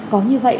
có như vậy